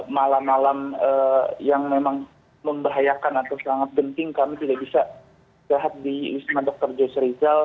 malam malam yang memang memberhayakan atau sangat penting kami tidak bisa jahat di wisma dokter j serizal